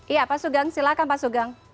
iya pak sugeng silakan pak sugeng